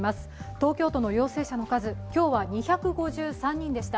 東京都の陽性者の数今日は２５３人でした。